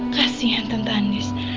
kasian tante andis